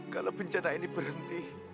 kalau bencana ini berhenti